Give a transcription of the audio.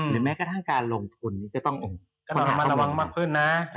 และกระทั่งการลงทุนจะต้องระวังมากขึ้นนะ